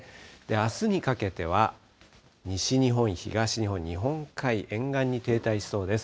あすにかけては、西日本、東日本、日本海沿岸に停滞しそうです。